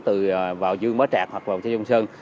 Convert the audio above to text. từ vào dương bó trạc hoặc vào xe dông sơn